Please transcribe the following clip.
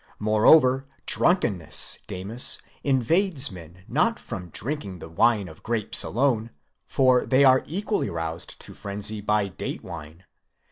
Moreover, drunkenness, Damis, invades men not from drinking the wine of grapes alone, for they are. equally roused to frenzy by. date wine.